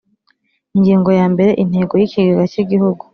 Ingingo yambere Intego y ikigega cy igihugu